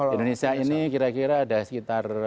indonesia ini kira kira ada sekitar